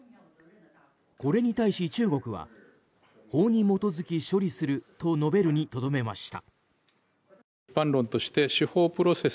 これに対し中国は法に基づき処理すると述べるにとどめました。